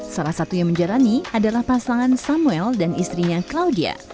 salah satu yang menjalani adalah pasangan samuel dan istrinya claudia